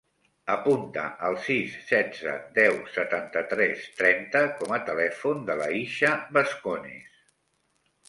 Apunta el sis, setze, deu, setanta-tres, trenta com a telèfon de l'Aixa Bascones.